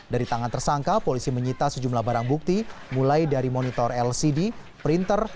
dari tangan tersangka polisi menyita sejumlah barang bukti mulai dari monitor lcd printer